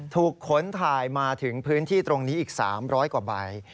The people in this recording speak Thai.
ขนถ่ายมาถึงพื้นที่ตรงนี้อีก๓๐๐กว่าใบ